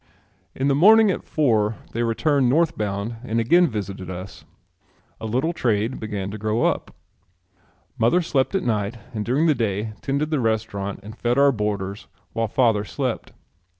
In the morning at four they returned north bound and again visited us. A little trade began to grow up. Mother slept at night and during the day tended the restaurant and fed our boarders while father slept.